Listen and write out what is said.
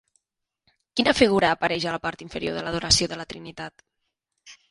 Quina figura apareix a la part inferior de l'Adoració de la Trinitat?